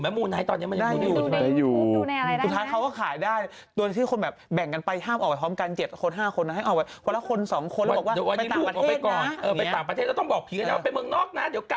เอ้ายูเดี๋ยวคุณผู้ชมจะต้องนั่งตามหานะ